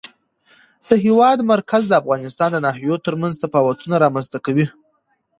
د هېواد مرکز د افغانستان د ناحیو ترمنځ تفاوتونه رامنځته کوي.